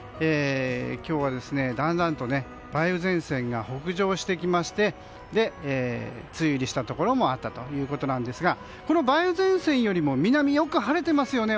今日は、だんだんと梅雨前線が北上してきまして梅雨入りしたところもあったということですがこの梅雨前線よりも南はよく晴れていますよね。